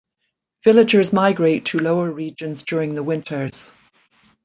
Villagers migrate to lower regions during the winters.